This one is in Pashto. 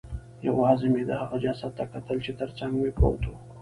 یوازې مې د هغې جسد ته کتل چې ترڅنګ مې پروت و